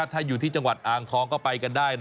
ถ้าอยู่ที่จังหวัดอ่างทองก็ไปกันได้